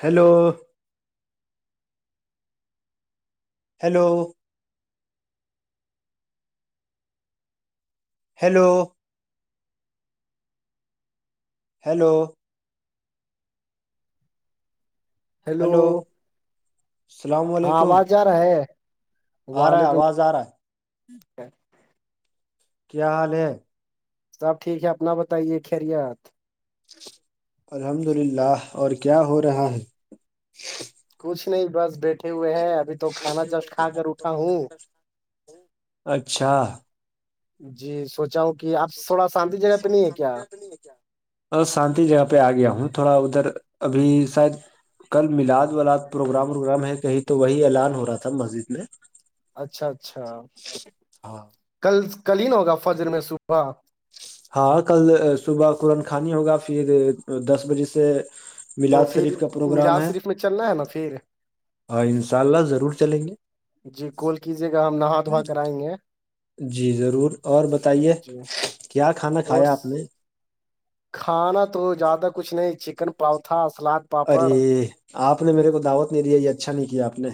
Hello hello hello hello hello السلام ہاں علیکم آواز ج رہا ہے آ رہا ہے وعلیکم آواز آ رہا ہے السلام، کیایال ہے سب ٹھیک ہے اپنا بتائیے خیریت الحمد للہ اور کیا ہو رہا ہے کچھ نہیں بس بیٹے کچ نہیں اب تو کھانا ہوں ک اچھا جی سوچا ہوں کہ آپ تھوڑا شانتی جگہ پہ نہیں ہے کیا کیا اور شانتی جگہ پہ آ گیا ہوں تھوڑا ادھر ابھی شاید کل ملاد ولاد پروگرام ووگرام ہے کہیں تو وہی اعلان ہو رہا تھا مسجد میں اچھا اچھا ہاں کل کل ہی نہ ہوگا فجر میں صبح ہاں کل صبح قورآن خانی ہوگا پھر دس بجے سے تو میلاد پھر شریف کا پروگرام مجاز شریف میں چلنا ہے نا پھر ہ ان شاء اللہ ضرور چلیں گے جی کال کیجے گا ہم نہا دھوا کرائیں گے جی ضرور اور بتائیے جی کیا کھانا اور کھایا آپ نے کھانا تو زیادہ کچھ نہیں چکن پروھا سلاد پاپڑ ارے آپ نے میرے کو دعوت نہیں دیا یہ اچھا نہیں کیا آپ نے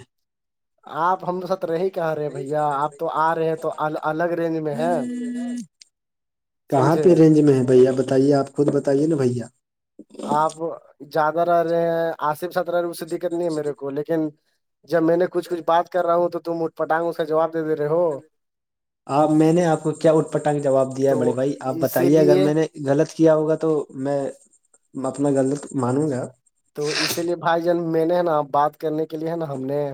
آپ ہم سب رہی کیا رہے بھیا آپ تو آ رہے ہیں تو الگ رینج میں ہے کہاں سمجھے پہ رینج میں ہے بھیا بتائیے آپ خود بتائیے نا بھیا آپ زیادہ رہ رہے ہیں آصف س اس سے دقت نہیں ہے میرے کو لیکن جب میں نے کچھچھ بات کر رہا ہوں تو پٹانگوں سے جواب دے دیے آپ میں نے آپ کو کیا اٹ پٹا کے جواب دیا ہے تو بڑے بھائی آپ اسی بتائیے اگر لیے میں نے غلط کیا ہوگا تو میں اپنا غلط مانوں گا تو اسی لیے بھائی جان میں نے ہے نا بات کرنے کے لیے ہے نا ہم نے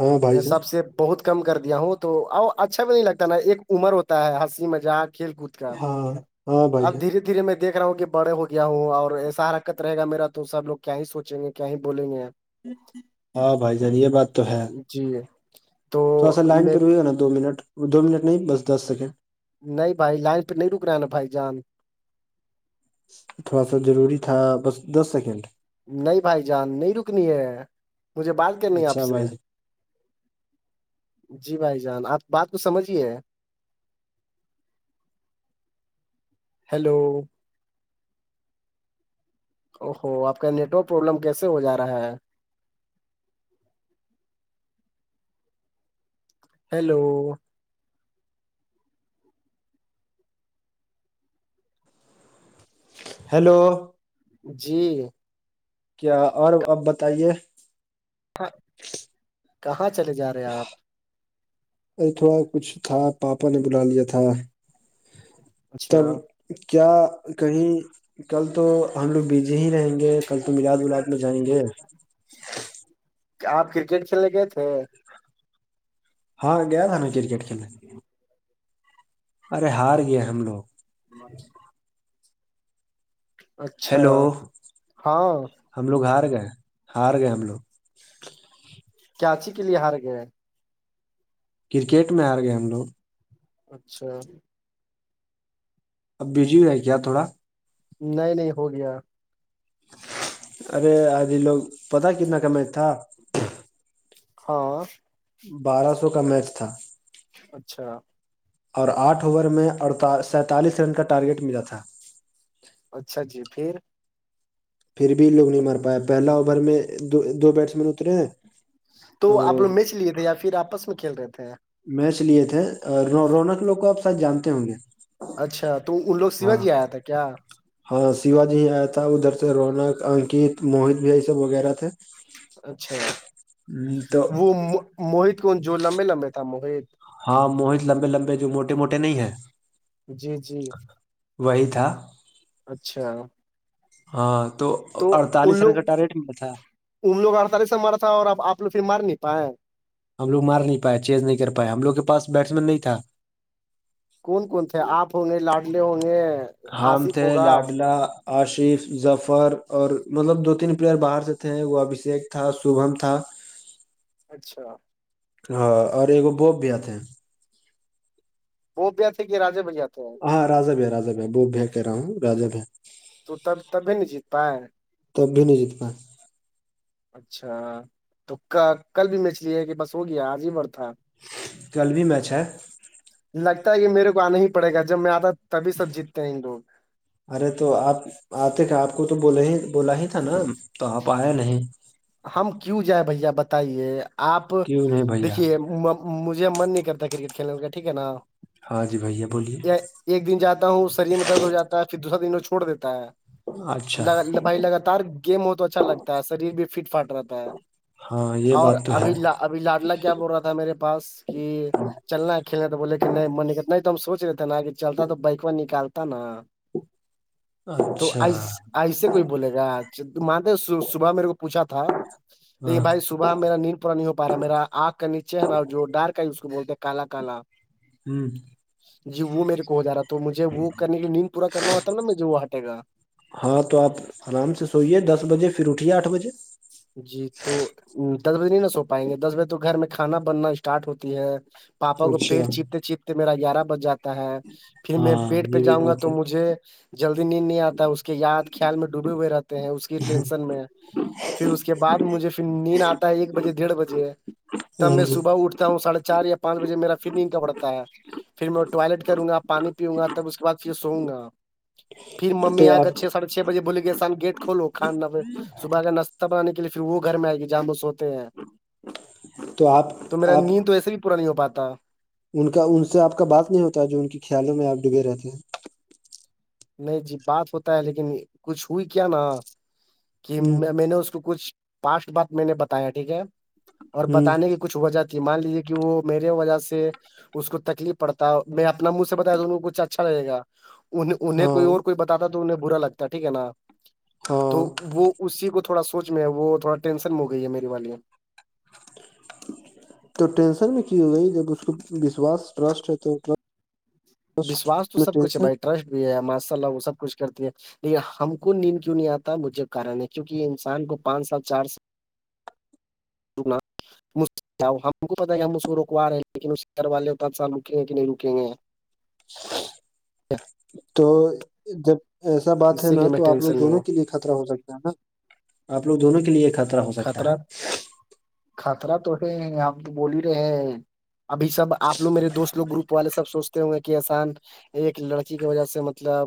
ہاں بھائی جان سب سے بہت کم کر دیا ہوں تو آؤ اچھا بھی نہیں لگتا نا ایک عمر ہوتا ہے ہنسی مذاق کھیل کود ہاں ہاں بھائی اب جان دھیرے دھیرے میں دیکھ رہا ہوں کہ بڑے ہو گیا ہوں اور ایسا حرکت رہے گا میرا تو تو سب لو کیا ہی سوچیں گے کیا ہی بولیں گے ہاں بھائی جان یہ بات تو ہے جی تو تھوڑا سا لائن پہ میں روئی ہے نا دو مٹ دو منٹ نہیں بس دس سیکنڈ نہیں بھائی لائن پہ نہیں رک رہا ہے نا بھائی جان تھوڑا سا ضروری تھا بس دس سیکنڈ نہیں بھائی جان نہیں رکنی ہے مجھے بات کرنی ہے آپ اچھا سے بھائی جی جی بھائی جان آپ بات کو سمجھیے ہیلو او ہو آپ کا نیٹ ورک پروابلم کیسے ہو جا رہا ہے ہیلو ہیلو جی کیا اور اب بتائیے ہاں کہاں چلے جا رہے آپ ارے تھوڑا کچھ تھا پاپا نے بلا لیا تھا تب اچھا کیا کہیں کل تو ہم لوگ بزی ہی رہیں گے کل تو ملاد ولاد میں جائیں گے آپ کرکٹ کھیلنے گئے تھے ہاں گیا تھا ہم میںیں کرکٹ کھیلا ارے ہار گیا ہم لوگ ب اچھا ہیلو ہاں ہم لوگ ہار گئے ہار گئے ہم لوگ کیااچی کے لیے ہار گئے ہیں کرکٹ میں آ رہ گی ہم لو اچھا اب بجی ہے کیا تھوڑا نہیں نہیں ہو گیا ارے آجھی لوگ پتا کتنا کمائی تھا ہاں بارہ سو کا میچ تھا اچھا اور آٹھ اوور میں اڑ سینتالیس رن کا ٹارگیٹ ملا تھا اچھا جی پھر پھر بھی لوگ نہیں مار پاائے پہلا اوور میں دو بیٹس مین اترے ہیں تو آپ لوگ میچ لیے تھے یا پھر آپس میں کھیل رہے تھے میچ لیے تھے رونق لوگ کو آپ ساتھ جانتے ہوں گے اچھا تو ان لوگ سیوا ہاں جی آیا تھا کیا ہاں شیوا جی ہی آیا تھا ادھر سے رونق انکت موہت بھی یہ سب وغیرہ تھے اچھا تو وہ موہت کون جو لمبے لمبے تھا موہت ہاں موہت لمبے لمبے جو موٹے موٹے نہیں ہے جی جی وہی تھا اچھا ہاں تو ان اڑتالیس رن لوگ کا ٹارگیٹ ملا تھا ان لوگ ہڑسارے سے مرا تھا اور اب آ لوگ پھر مار نہیں پائے ہم لوگ مار نہیں پائے چینج نہیں کر پائے ہم لوگ کے پاس بیٹس مین نہیں تھا کون کون تھے آپ ہوں گے لاڈلے ہوں گے ہم آصف تھے ہوگا لاڈلا آشف ظفر اور مطلب دو تین پلیئر باہر سے تھے وہ ابھیشیک تھا شبھم تھا اچھا ہاں اور ایکگ بوپ بھی آتے ہیں وہ بھی آتے کہ رجے بھ آتے ہیں ہاں راجب ہے راب ہے بوب بھی کہہ رہا ہوں راجا ہے تو تب تبھی نہیں جیت پائے تب بھی نہیں جیت پا اچھا تو کل بھی مچھلی ہے کہ بس ہو گیا عظیم اور تھا کل بھی میںچ ہے لگتا ہے کہ میرے کو آنا ہی پڑے گا جب میں آتا تبھی سب جیتتے ہیں ان لوگ ارے تو آپ آتے تھ آپ کو تو بول ہی بولا ہی تھا نا تو آپ آیا نہیں ہم کیوں جائ بھیا بتائیے آپ کیوں نہیں بھیا دیکھیے مجھے من نہیں کرتا کرکٹ کھیلنے کا ٹھیک ہے نا ہاں جی بھیا بولیے یا ایک دن جاتا ہوں شریر میں درد ہو جاتا ہے پھر دوسرا دن وہ چھوڑ دیتا ہے اچھا بھائی لگاتار گیم ہو تو اچھا لگتا ہے شریر بھی فٹ فاٹ رہتا ہے ہاں یہ اور بات تو ہے ابھی ابھی لاڈلا کیا بول رہا تھا تھا میرے پاس کہ چلنا کھیلنا تو بولے کہ نہیں من نہیںتا نہیں تو ہم سوچ رہتے نا کہ چلتا تو بائک میں نکالتا نا اچھا توس ایسے کوئی بولے گاچ مانتے صبح میرے کو پوچھا تھا لیکن ہاں بھائی سبح وہاں میرا نیند پورا نہیں ہو پا رہا میرا آگ کا نیچے ہے نا جو ڈارک ہے اس کو بولتے ہیں کالا کالا ہوں جی وہ میرے کو ہو جا رہا تو مجھے وہ کرنے کی نیند پورا کرنا ہوتا تھا نا مجھے وہ ہٹے گا ہاں تو آپ آرام سے سوئیے دس بجے پھر اٹھیے آٹھ بجے جی تو دس بجے نہیں نا سو پائیں گے دس بجے تو گھر میں کھانا بننا اسٹارٹ ہوتی ہے پاپا کو پیر اچھا چیپتے چیپتے میرا گیارہ بج جاتا ہے پھر میں ہاں پیٹ پہ یہ بھی جاؤں گا بات تو ہے مجھے جلدی نیند نہیں آتا ہے اس کے یاد خیال میں ڈوبے ہوئے رہتے ہیں اس کی ٹینشن میں پھر اس کے بعد مجھے پھر نیند آتا ہے ایک بجے ڈیڑھ بجے تب ہاں میں جی صبح اٹھتا ہوں سڑھے چار یا پانچ بجے میرا فٹنگ کا پڑتا ہے پھر میں ٹوائلٹ کروں گا پانی پیوں گا تب اس کے بد پھر سووں گا پھر ممی تو آگر آپ چھ سڑھے چھ بجے بوللی گی آان گیٹ کھولو کھانا پ صبح کا ن تب آنے کےے پھر وہ گھر میں آئے گ جاموس ہو ہیں آپ تو میرا آپ نیند تو ایسے بھی پورا نہیں ہو پاتا ان کا ان سے آپ کا بات نہیں ہوتا ہے جو ان کے خیالوں میں آپ ڈبے رہتے ہیں نہیں جی بات ہوتا ہے لیکن کچھ ہوئی کیا نا کہ ہیں ہ میں نے اس کو کچھ پاسٹ بات میں نے بتایا ٹھیک ہے اور ہ بتانے کی کچھ ہوجاتی مان لیجیے کہ وہ میرے وجہ سے اس کو تکلیف پڑتا ہے میں اپنا منہ سے بتاوں کو کچھ اچھا لگے گا ان انہیں کوئی ہاں اور کوئی بتاتا تو انہیں برا لگتا ٹھیک ہے نا تو ہاں وہ اسی کو تھوڑا سوچ میں ہے وہ تھوڑا ٹینشن ہو گئی ہے میری والیاں تو ٹینشن میں کی ہو گئی جب اس کو وشوس ٹسٹ ہے تو ک وشواس تو سب مٹریل کچھ ہے سے بھائی ٹرسٹ بھی ہے ماشاء اللہ وہ سب کچھ کرتی ہے نہیں ہم کو نیند کیوں نہیں آتا مجھے کارن ہے کیک یہ انسان کو پانچ سال چار سال رکنا ہم کو پت ہے کہ ہم اس کو رکو رہے ہیں لیکن اس کے گھر والے اد سال رکیں گے کہ نہیں رکیں گے [inaudible] تو جب ایسا بات ہے اسی نا لیے میں تو آپ لوگ ٹینشن میں دونوں ہوں کے لیے خطرہ ہو سکتا ہے نا آپ لوگ دونوں کے لیے خطرہ ہو سکتا ہے خطرہ تو ہے ہم تو بول ہی رہے ہیں ابھی سب آ لگ میرے دوست لوگ گروپ والے سب سوچتے ہوں گے کہ آسان ایک لڑکی کی وجہ سے مطلب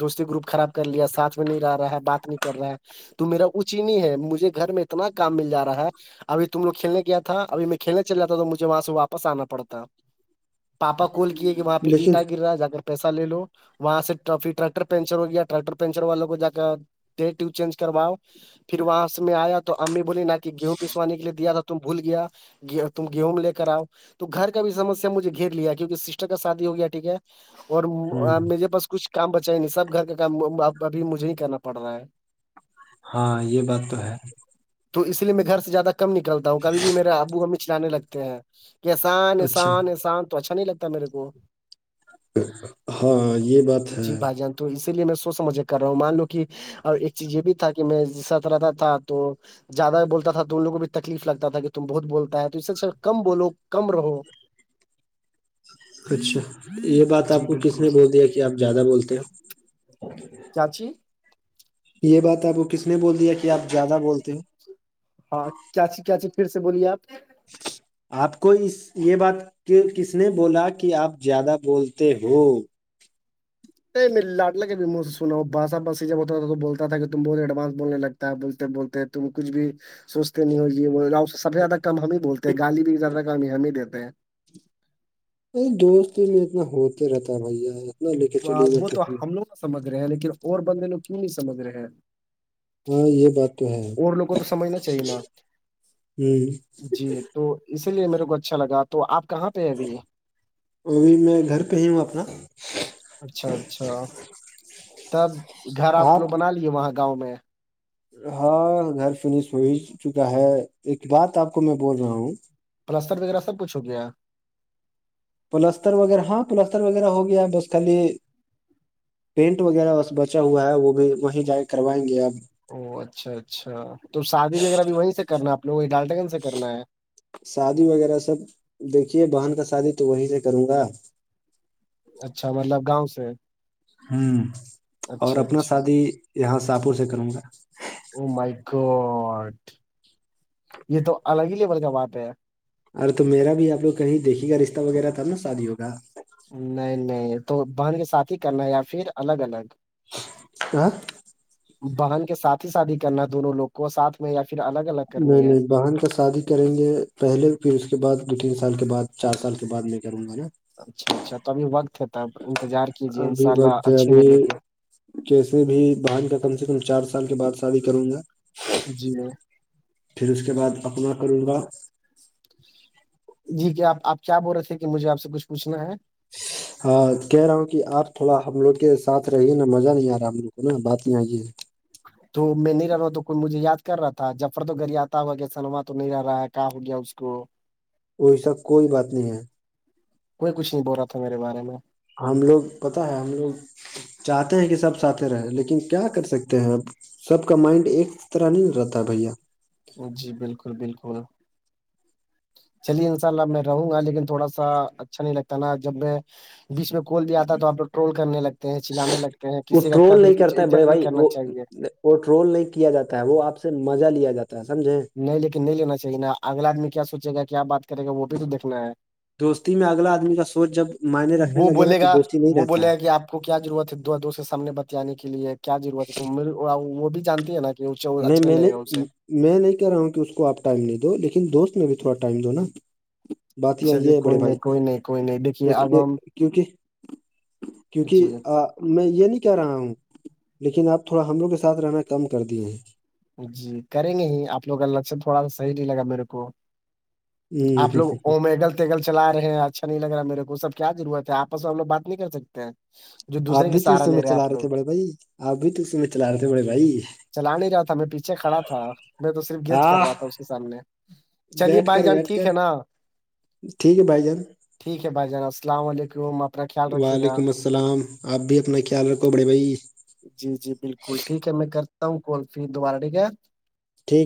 دوستی گروپ خراب کر لیا سھ میں نہیں رہا رہا ہے بات نہیں کر رہا ہے تو میرا ا چینی ہے مجھے گھر میں اتنا کام مل جا رہا ہے ابھی تم لوگھیل کیا تھا ابھی میں کھیلنے چل جات تھا تو مجھے وہاں سے واپس آنا پڑتا پاپا کول کی کہ وہاں پہ لیکن اینٹا گر رہا جا کر پیسہ لے لو وہاں سے پھر ٹریکٹر پنچر ہو گیا ٹیکٹر پنچر والوں کو جا کر ڈی و چینج کرواؤ پھر وہاں سے میں آیا تو امی بولی نہ کہ گیہوں پسانے کے لیے گیا تھا تم بھول گیا گ تم گیہوں لے کر آؤ تو گھر کا بھی سمسیا مجھے گھیر لیا کیونکہ سسٹر کا شادی ہو گیا ٹھیک ہے اور ہ میرے پاس کچھ کام بچا نہیں سب گھر کا کام ابھی مجھے ہی کرنا پڑ رہا ہے ہاں یہ بات تو ہے تو اس لیے میں گھر سے زیادہ کم نکلتا ہوں کبھی بھی میرا ابو امی چلانے لگتے ہیں احسان اچھا احسان احسان تو اچھا نہیں لگتا میرے کو ہاں یہ بات ہے جی بھائی جان تو اسی لیے میں سوچ سمجھ کر رہا ہوں مان لو کہ اور ایک چیز یہ بھی تھا کہ میں جس کے ساتھ رہتا تھا تو زیادہ بولتا تھا تو ان لوگ کو بھی تکلیف لگتا تھا کہ تم بہت بولتا ہے تو اس سے کم بولو کم رہو [unintelligible] اچھا یہ بات آپ جی کو کس بالکل نے بول دیا کہ آپ زیادہ بولتے ہو چاچی یہ بات آپ وہ کس نے بول دیا کہ آپ زیادہ بولتے ہیں ہاں کیا چیز کیا چیز پھر سے بولیے آپ آپ کو اس یہ بات کس نے بولا کہ آپ زیادہ بولتے ہو نہیں میرے لاڈلا لگے مو باسا باسی جب ہوتا تھا تو بولتا تھا کہ تم بہت ایڈوانس بولنے لگتا ہے بولتے بولتے تم کچھ بھی سوچتے نہیں ہو یہ سب سے زیادہ کم ہم ہی بولتے ہیں گالی بھی زیادہ کم ہی ہم ہی دیتے ہیں ارے دوستی میں اتنا ہوتے رہتا ہے بھیا اتنا لے کے چلو گئے وہ تو ہم لوگ سمجھ رہے ہیں لیکن اور بند لوگ کیوں نہیں سمجھ رہے ہیں ہاں یہ بات تو ہے اور لوگ کو تو سمجھنا چاہیے نا ہوں جی تو اسی لیے میرے کو اچھا لگا تو آپ کہاں پہ ابھی ابھی میں گھر پہ ہی ہوں اپنا اچھا اچھا تب گھر آپ لوگ بنا لیے وہاں گاؤں میں ہاں گھر فنش ہو ہی چکا ہے ایک بات آپ کو میں بول رہا ہوں پلستر وغیرہ سب کچھ ہو گیا پلستر وغیرہ ہاں پلستر وغیرہ ہو گیا بس خالی پینٹ وغیرہس بچا ہوا ہے وہ بھی ہو ہی جاے کروائیں گے اب او اچھا اچھا تو شادی وغیرہ بھی وہیں سے کرنا ہے اپنے کو ڈالٹگن گنج سے کرنا ہے شادی وغیرہ سب دیکھیے بہن کا شادی تو وہیں سے کروں گا اچھا مطلب گاؤں سے ہوں اور اچھا اپنا اچھا شادی یہاں شاہپور سے کروں گا اوہ مائی گاڈ یہ تو الگ ہی لیول کا بات ہے ارے تو میرا بھی آپ لوگ کہیں دیکھے گا رشتہ وغیرہ تب نا شادی ہوگا نہیں نہیں تو بہن کے ساتھ ہی کرنا ہے یا پھر الگ الگ کیا بہن کے ساتھ ہی شادی کرنا دونوں لوگ کو ساتھ میں یا پھر الگ الگ نہیں کرنی ہے نہیں بہن کا شادی کریں گے پہلے پھر اس کے بعد دو تین سال کے بعد چار سال کے بعد میں کروں گا نا اچھا اچھا تو ابھی وقت ہے تب انتظار کیجے ان شاء اللہ اچھی ملے گی ویسے بھی بہن کا کم سے کم چار سال کے بعد شادی کروں گا جی میں پھر اس کے بعد اپنا کروں گا جی کیا آپ کیا بول رہے تھے کہ مجھے آپ سے کچھ پوچھنا ہے کہہ رہا ہوں کہ آپ تھوڑا ہم لوگ کے ساتھ رہیے نا مزہ نہیں آ رہا ہم لوگ کو نا بات آئی ہے تو میں نہیں رہا ہوں تو کوئی مجھے یاد کر رہا تھا جفر تو گالیاتا ہے کہ سلوا تو آتا نہیں ہے کا ہو گیا اس کو ویسا کوئی بات نہیں ہے کوئی کچھ نہیں بول رہا تھا میرے بارے میں ہم لوگ پتا ہے ہم لوگ چاہتے ہیں کہ سب ساتھ رہ لیکن کیا کر سکتے ہیں آپ سب کا مائنڈ ایک طرح نہیں رہتا بھیا جی بالکل بالکل چلیے انشاء اللہ میں رہوں گا لیکن تھوڑا سا اچھا نہیں لگتا نا جب میں بیچ میں کول دیا آتا ہے تو آپ لوگ ٹول کرنے لگتے ہیں چلانے لگتے ہیں وہ کسی کا ٹرول نہیں کرتا ہے بڑے قدر بھائی کرنا وہ چاہیے وہ ٹرول نہیں کیا جاتا ہے وہ آپ سے مزہ لیا جاتا ہے سمجھیں نہیں لیکن نہیں لینا چاہیے نا اگلا آدمی کیا سوچے گا کیا بات کرے گا وہ بھی تو دیکھنا ہے دوستی میں اگلا آدمی کا سوچ جب معائنے رکھنے وہ لگے نا بولے تو گا دوستی نہیں وہ رہتا بولے ہے گا کہ آپ کو کیا ضرورت ہے دو دو سے سامنے بتانے کے لیے کیا ضرورت ہے تو وہ بھی جانتی ہے نا کہ اونچا اچھا نہیں میں نے لگے اس سے میں نہیں کہہ رہا ہوں کہ اس کو آپ ٹائم نہیں دو لیکن دوست نے بھی تھوڑا ٹائم دو نا بات ہی آئی چلیے ہے بڑے کوئی نہیں بھائی کوئی نہیں کوئی نہیں دیکھیے ایک اب ہم کیوںک کیونکہ جی میں یہ نہیں کہہ رہا ہوں لیکن آپ تھوڑا ہمرو کے ساتھ رہنا کم کر دیے ہیں جی کریں گے ہی آپ لوگ کا لچن تھوڑا سا صحیح نہیں لگا میرے کو ہیں آپ لوگ ہ اومیگل اومیگل چلا رہے ہیں اچھا نہیں لگ رہا میرے کو وہ سب کیا ضرورت ہے آپس میں ہم لو بات نہیں کر سکتے ہیں جو آپ دوسرے کے بھی سہارا تو لے میں ہیں چلا آپ رہے لوگ تھے بڑے بھائی آپ بھی تو س میں چلا رہے تھے بڑے بھائی چلا نہیں رہا تھا میں پیچھے کھڑا تھا میں تو صرف گچ کر آ رہا تھا اس کے سامنے چلیے بیٹھ بھائی کر جان بیٹھ ٹھیک کر ہے نا ٹھیک ہے بھائی جان ٹھیک ہے بھائی جان السلام علیکم اپنا خیال رکھیے گا وعلیکم السلام آپ بھی اپنا خیال رکھو بڑے بھائی جی جی بالکل ٹھیک ہے میں کرتا ہوں کال پھر دوبارہ ٹھیک ہے ٹھیک ہے۔